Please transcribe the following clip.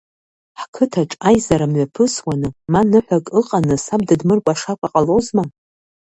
Ҳқыҭаҿ аизара мҩаԥысуаны, ма ныҳәак ыҟаны саб дыдмыркәашакәа ҟалозма!